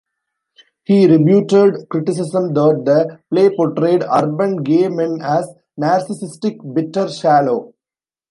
He rebutted criticism that the play portrayed "urban gay men as narcissistic, bitter, shallow".